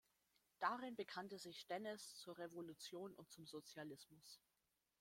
Darin bekannte sich Stennes zur Revolution und zum Sozialismus.